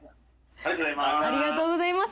ありがとうございます。